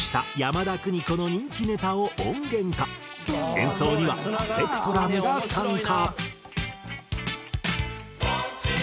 演奏にはスペクトラムが参加。